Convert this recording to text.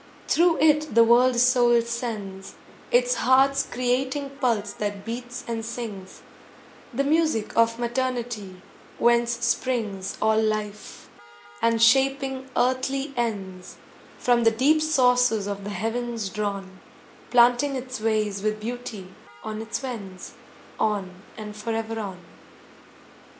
Through it the world soul sends Its heart's creating pulse that beats and sings The music of maternity whence springs All life; and shaping earthly ends, From the deep sources of the heavens drawn, Planting its ways with beauty, on it wends, On and forever on.